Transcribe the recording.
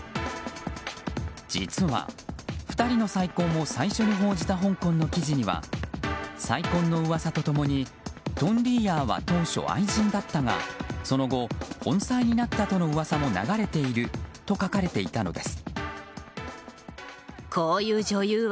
実は２人の再婚を最初に報じた香港の記事には、再婚の噂と共にトン・リーヤーは当初愛人だったがその後、本妻になったとの噂も流れていると書かれていたのです。